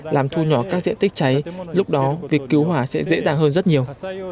làm thu nhỏ các diện tích cháy lúc đó việc cứu hỏa sẽ dễ dàng hơn rất nhiều